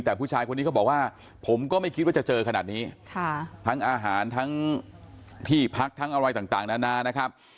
แต่ผู้ชายคนนี้เขาบอกว่าผมก็ไม่คิดว่าจะเจอขนาดนี้ทั้งอาหารทั้งที่พักทั้งอะไรต่างนานานะครับ